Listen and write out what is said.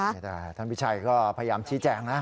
ไม่ได้ท่านพิชัยก็พยายามชี้แจงนะ